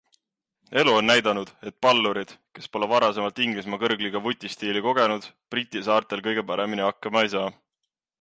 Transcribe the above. Elu on näidanud, et pallurid, kes pole varasemalt Inglismaa kõrgliiga vutistiili kogenud, Briti saartel kõige paremini hakkama ei saa.